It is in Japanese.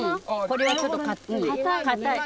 これはちょっと固い。